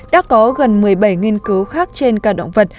đã có gần một mươi bảy nghiên cứu khác trên cả động vật